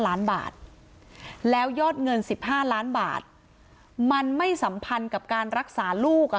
ล้านบาทแล้วยอดเงิน๑๕ล้านบาทมันไม่สัมพันธ์กับการรักษาลูกอ่ะ